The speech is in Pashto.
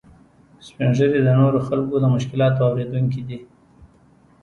سپین ږیری د نورو خلکو د مشکلاتو اورېدونکي دي